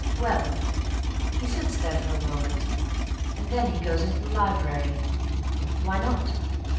Well, he sits there for a moment, and then goes into the library. Why not?